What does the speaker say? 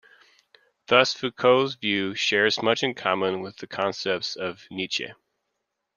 Thus Foucault's view shares much in common with the concepts of Nietzsche.